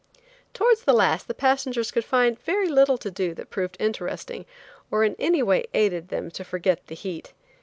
Towards the last the passengers could find very little to do that proved interesting or in any way aided them to forget the heat.